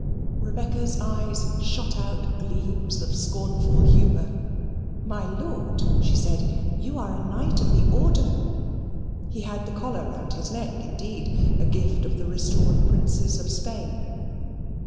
Rebecca's eyes shot out gleams of scornful humour. "My lord," she said, "you are a knight of the Order." He had the collar round his neck, indeed a gift of the restored princes of Spain.